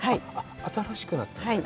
新しくなったんだよね。